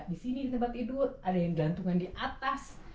di sini di tempat tidur ada yang dilantungkan di atas